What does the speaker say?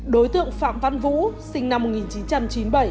đối tượng phạm văn vũ sinh năm một nghìn chín trăm chín mươi bảy